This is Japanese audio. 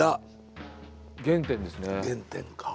原点か。